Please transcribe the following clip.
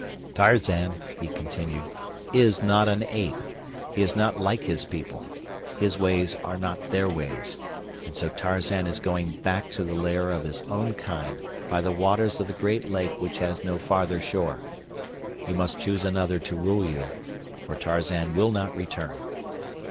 "Tarzan," he continued, "is not an ape. He is not like his people. His ways are not their ways, and so Tarzan is going back to the lair of his own kind by the waters of the great lake which has no farther shore. You must choose another to rule you, for Tarzan will not return."